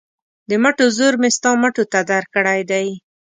د مټو زور مې ستا مټو ته درکړی دی.